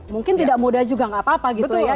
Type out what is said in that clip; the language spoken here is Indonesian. mungkin tidak muda juga gak apa apa gitu ya